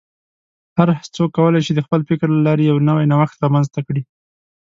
هر څوک کولی شي د خپل فکر له لارې یو نوی نوښت رامنځته کړي.